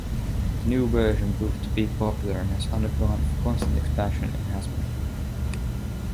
The new version proved to be popular and has undergone constant expansion and enhancement.